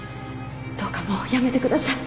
どうかもうやめてください。